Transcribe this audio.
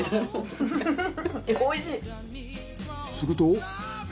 すると。